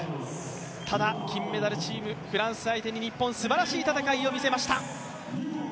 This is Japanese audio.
ただ金メダルチームフランスを相手に日本すばらしい戦いを見せました！